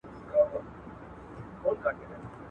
هر څوک باید خپل ځانګړی رول ولوبوي.